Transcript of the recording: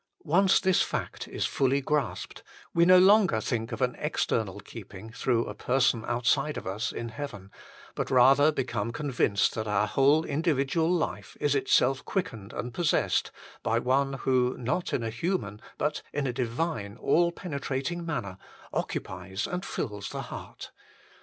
Once this fact is fully grasped, we no longer think of an external keeping through a person outside of us in heaven, but rather become convinced that our whole individual life is itself quickened and possessed by One who, not in a human but in a divine, all penetrating manner, occupies and fills the heart.